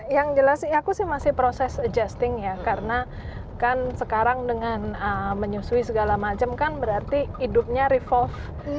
yang jelas sih aku sih masih proses adjusting ya karena kan sekarang dengan menyusui segala macam kan berarti hidupnya revolve